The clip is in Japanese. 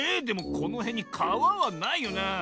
でもこのへんにかわはないよな。